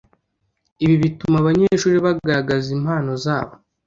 Ibi bituma abanyeshuri bagaragaza impano zabo